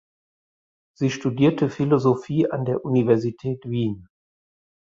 Sie studierte Philosophie an der Universität Wien.